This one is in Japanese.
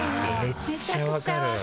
めっちゃ分かる。